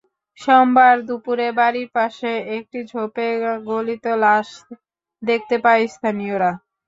সোমবার দুপুরে বাড়ির পাশে একটি ঝোপে গলিত লাশ দেখতে পায় স্থানীয়রা।